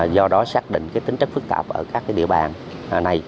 do đó xác định tính chất phức tạp ở các địa bàn này